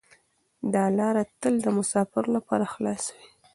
دا لاره تل د مسافرو لپاره خلاصه وي.